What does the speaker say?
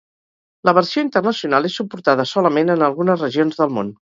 La versió internacional és suportada solament en algunes regions del món.